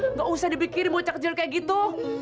nggak usah dibikin mucak kecil kayak gitu